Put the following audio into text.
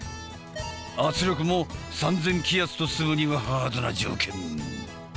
圧力も３，０００気圧と住むにはハードな条件。